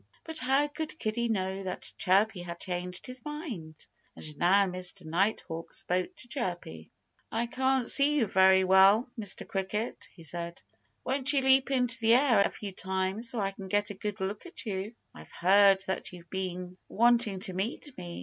But how could Kiddie know that Chirpy had changed his mind? And now Mr. Nighthawk spoke to Chirpy. "I can't see you very well, Mr. Cricket," he said. "Won't you leap into the air a few times, so I can get a good look at you? I've heard that you've been wanting to meet me.